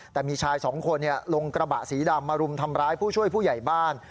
แต่มีชายสองคนลงกระบะสีดำมารุมทำร้ายผู้ช่วยผู้ใหญ่บ้าน